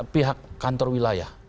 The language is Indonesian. pihak kantor wilayah